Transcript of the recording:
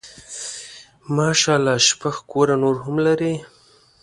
ماشاء الله شپږ کوره نور هم لري.